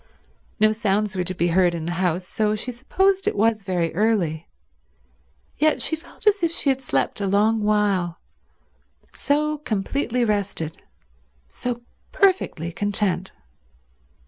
No sounds were to be heard in the house, so she supposed it was very early, yet she felt as if she had slept a long while—so completely rested, so perfectly content.